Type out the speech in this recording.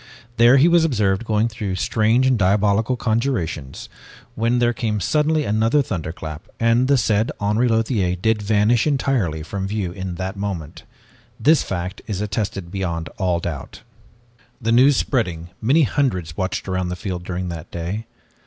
There he was observed going through strange and diabolical conjurations, when there came suddenly another thunderclap and the said Henri Lothiere did vanish entirely from view in that moment. This fact is attested beyond all doubt. "The news spreading, many hundreds watched around the field during that day.